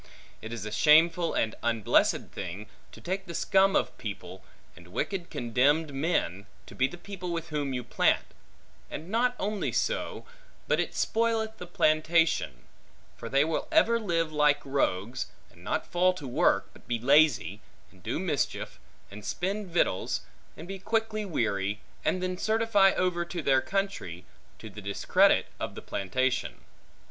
It is a shameful and unblessed thing, to take the scum of people, and wicked condemned men, to be the people with whom you plant; and not only so, but it spoileth the plantation; for they will ever live like rogues, and not fall to work, but be lazy, and do mischief, and spend victuals, and be quickly weary, and then certify over to their country, to the discredit of the plantation.